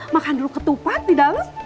makan dulu ketupat di dalam